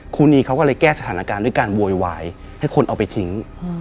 ครูนีเขาก็เลยแก้สถานการณ์ด้วยการโวยวายให้คนเอาไปทิ้ง